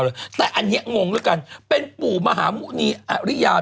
อะไรแต่อันนี้งงแล้วกันเป็นปู่มหาหมุณีอริยา